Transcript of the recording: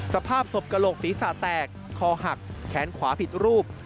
สภาพศพกระโหลกศีรษะแตกคอหักแขนขวาผิดรูป